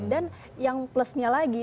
dan yang plusnya lagi